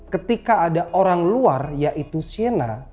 ketika ada orang luar yaitu shienna